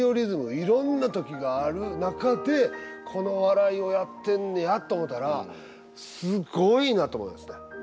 いろんな時がある中でこの笑いをやってんねやと思ったらすごいなと思いますね。